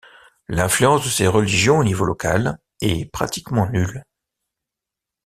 L’influence de ces religions au niveau local, est pratiquement nulle.